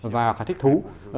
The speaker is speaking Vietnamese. và thích thú